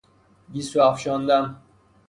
گیسو افشاندن